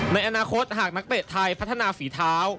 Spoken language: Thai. ในอนาคตหากนักเตะไทยพัฒนาฝีเท้า